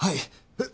えっ？